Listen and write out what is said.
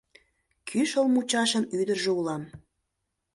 Кӱшыл мучашын ӱдыржӧ улам.